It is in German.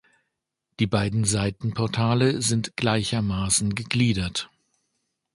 Die beiden Seitenportale sind gleichermaßen gegliedert.